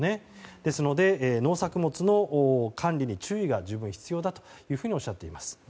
ですので、農作物の管理に注意が十分必要だとおっしゃっています。